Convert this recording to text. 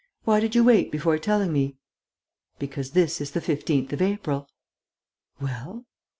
Why did you wait before telling me?" "Because this is the 15th of April." "Well?"